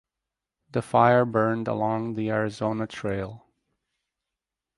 The fire burned along the Arizona Trail.